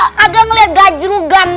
kagak ngeliat gajrugan